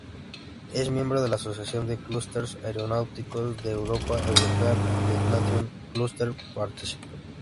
Es miembro de la asociación de clusters aeronáuticos de Europa European Aviation Clusters Partnership.